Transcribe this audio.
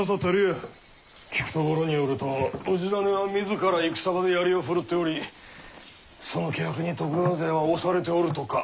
聞くところによると氏真は自ら戦場で槍を振るっておりその気迫に徳川勢は押されておるとか。